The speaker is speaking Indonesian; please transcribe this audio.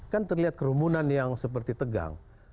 kan terlihat kerumunan yang seperti tegang